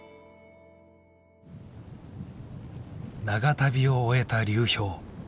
長旅を終えた流氷。